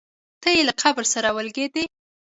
تی یې له قبر سره ولګېدی.